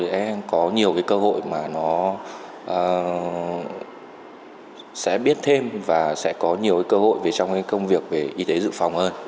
sẽ có nhiều cái cơ hội mà nó sẽ biết thêm và sẽ có nhiều cơ hội về trong cái công việc về y tế dự phòng hơn